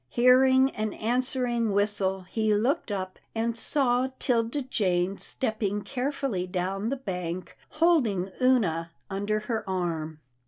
Hearing an answering whistle, he looked up, and saw 'Tilda Jane stepping carefully down the bank, holding Oonah under her arm.